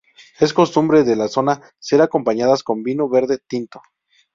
Es costumbre de la zona ser acompañadas con vinho verde tinto.